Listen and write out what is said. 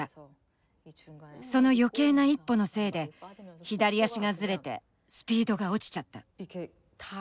その余計な１歩のせいで左足がずれてスピードが落ちちゃった。